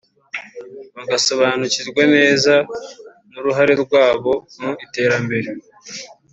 bagasobanukirwa neza n’uruhare rwabo mu iterambere